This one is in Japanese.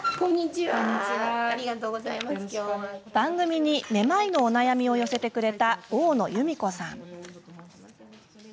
番組にめまいの悩みを寄せてくれた大野由美子さん。